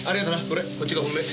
これこっちが本命。